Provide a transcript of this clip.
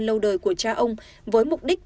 lâu đời của cha ông với mục đích